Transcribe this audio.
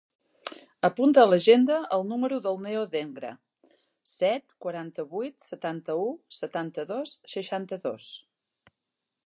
Apunta a l'agenda el número del Neo Dengra: set, quaranta-vuit, setanta-u, setanta-dos, seixanta-dos.